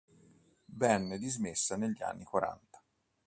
Venne dismessa negli anni quaranta.